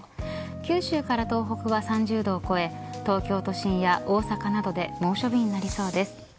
九州から東北は３０度を超え東京都心や大阪などで猛暑日になりそうです。